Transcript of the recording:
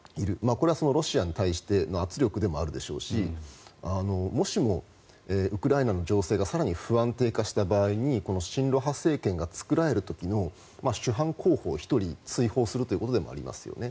これはロシアに対しての圧力でもあるでしょうしもしも、ウクライナの情勢が更に不安定化した場合に親ロ派政権が作られる時の首班候補を１人追放するということでもありますよね。